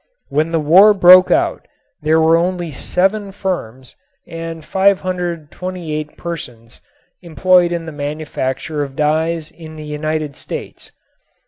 When the war broke out there were only seven firms and 528 persons employed in the manufacture of dyes in the United States.